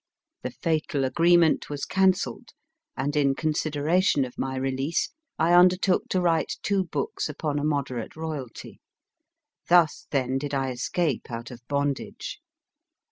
The fatal agree ment was cancelled, and in consideration of my release I un dertook to write two books upon a moderate royalty. Thus, then, did I escape out of bondage.